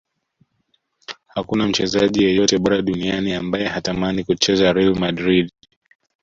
hakuna mchezaji yeyote bora duniani ambaye hatamani kucheza real madrid